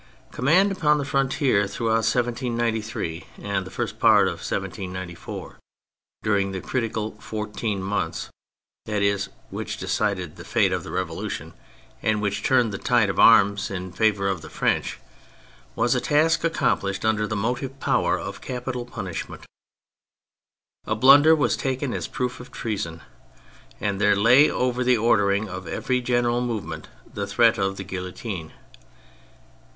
Command upon the frontier throughout 1793 and the first part of 1794, during the critical fourteen months, that is, which decided the fate of the Revolution, and which turned the tide of arms in favour of the French, was a task accomplished under the motive power of capital punishment. A blunder was taken as a proof of treason, and there lay over the ordering of every general movement the threat of the guillotine.